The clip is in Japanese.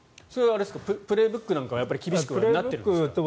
「プレーブック」は厳しくなっているんですか？